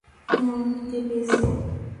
হ্যাঁ, আমার খিদে পেয়েছে।